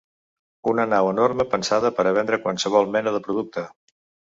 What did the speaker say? Una nau enorme pensada per a vendre qualsevol mena de producte.